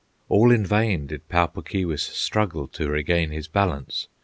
All in vain did Pau Puk Keewis Struggle to regain his balance!